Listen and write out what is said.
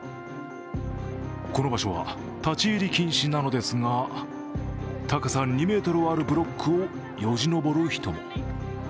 この場所は立ち入り禁止なのですが、高さ２ｍはあるブロックをよじ登る人も。